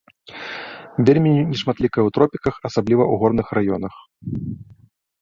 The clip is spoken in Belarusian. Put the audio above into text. Вельмі нешматлікая ў тропіках, асабліва ў горных раёнах.